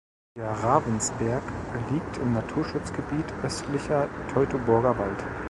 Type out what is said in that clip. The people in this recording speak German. Der Ravensberg liegt im Naturschutzgebiet „Östlicher Teutoburger Wald“.